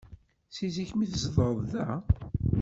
Si zik mi tzedɣeḍ da?